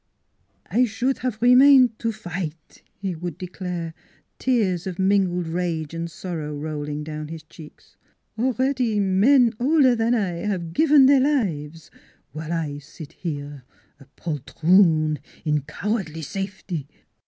" I should have remained to fight," he would declare, tears of mingled rage and sorrow rolling down his cheeks. " Already men older than I have given their lives, while I sit here a poltroon in cowardly safety!